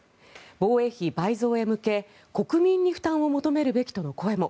防衛費倍増へ向け、国民に負担を求めるべきとの声も。